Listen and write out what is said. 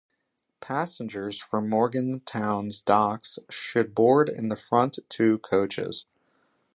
Passengers for Morganstown Docks should board in the front two coaches.